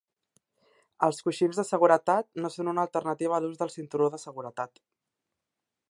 Els coixins de seguretat no són una alternativa a l'ús del cinturó de seguretat.